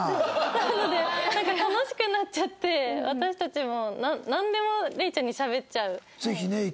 なのでなんか楽しくなっちゃって私たちもなんでも玲ちゃんにしゃべっちゃう。